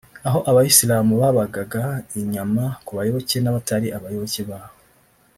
aho abayisilamu babagaga inyama ku bayoboke n’abatari abayoboke babo